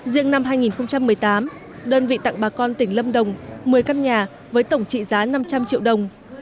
riêng năm hai nghìn một mươi tám đơn vị tặng bà con tỉnh lâm đồng một mươi căn nhà với tổng trị giá năm trăm linh triệu đồng